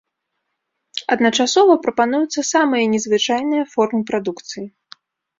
Адначасова прапануюцца самыя незвычайныя формы прадукцыі.